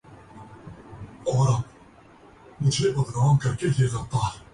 چہرہ فروغِ مے سے گُلستاں کئے ہوئے